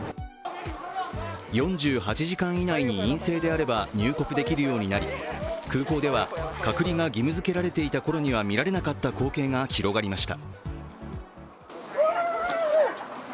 ４８時間以内に陰性であれば入国できるようになり空港では、隔離が義務づけられていたころには見られなかった光景が広がりました。